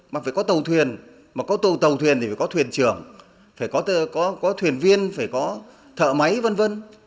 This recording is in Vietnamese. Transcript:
mà phải có tàu thuyền mà có tàu thuyền thì phải có thuyền trưởng phải có thuyền viên phải có thợ máy v v